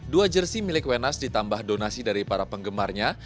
dua jersi milik wenas ditambah donasi dari para penggemarnya